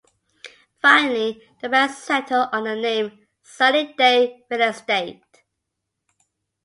Finally, the band settled on the name Sunny Day Real Estate.